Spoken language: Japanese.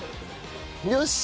よし！